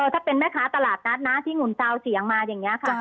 ถ้าเป็นแม่ค้าตลาดนัดนะที่หุ่นซาวเสียงมาอย่างนี้ค่ะ